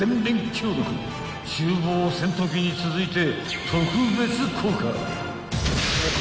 ［厨房戦闘機に続いて］